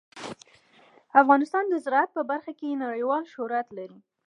افغانستان د زراعت په برخه کې نړیوال شهرت لري.